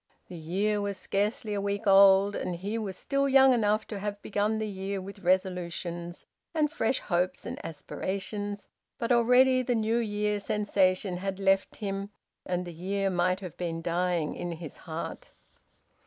The year was scarcely a week old, and he was still young enough to have begun the year with resolutions and fresh hopes and aspirations, but already the New Year sensation had left him, and the year might have been dying in his heart.